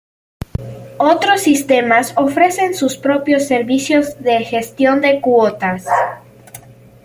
Otros sistemas ofrecen sus propios servicios de gestión de cuotas.